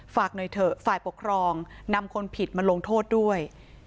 ฝากหน่อยเถอะฝ่ายปกครองนำคนผิดมาลงโทษด้วย